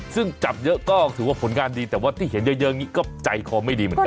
ซึ่งจับเยอะก็ถือว่าผลงานดีแต่ว่าที่เห็นเยอะอย่างนี้ก็ใจคอไม่ดีเหมือนกัน